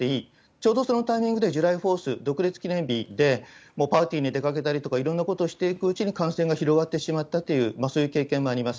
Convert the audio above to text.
ちょうどそのタイミングで、ジュライホース、独立記念日で、もうパーティーに出かけたりとかそういうことで感染が広がってしまったという、そういう経験もあります。